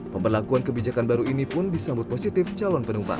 pemberlakuan kebijakan baru ini pun disambut positif calon penumpang